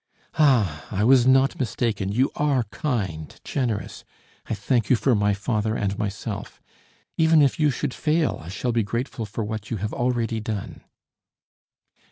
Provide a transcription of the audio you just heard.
"Ah, I was not mistaken. You are kind, generous. I thank you for my father and myself. Even if you should fail, I shall be grateful for what you have already done!"